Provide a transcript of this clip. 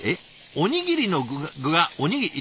おにぎりの具がおにぎり？